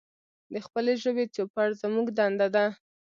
د خپلې ژبې چوپړ زمونږ دنده ده.